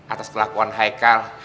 atas kelakuan haikal